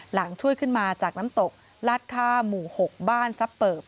หลังช่วยขึ้นมาจากน้ำตกลาดค่าหมู่๖บ้านซับเปิบ